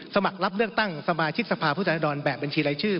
สมัครรับเลือกตั้งสมาชิกสภาพุทธรแบบบัญชีรายชื่อ